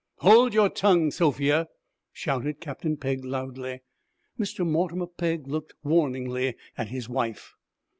'Hold your tongue, Sophia!' shouted Captain Pegg loudly. Mr. Mortimer Pegg looked warningly at his wife.